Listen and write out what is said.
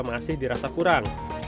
masih dirasa kurang